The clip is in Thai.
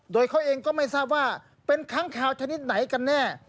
โดยเขาเองก็ไม่ทราบว่าเป็นค้างคาวชนิดไหนกันแน่